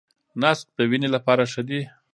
نسک د وینې لپاره ښه دي.